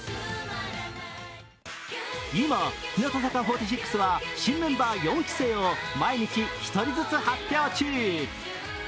今、日向坂４６は新メンバー四期生を毎日１人ずつ発表中。